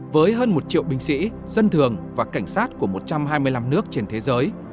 với hơn một triệu binh sĩ dân thường và cảnh sát của một trăm hai mươi năm nước trên thế giới